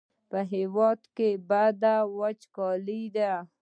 په هېواد کې بده وچکالي ده.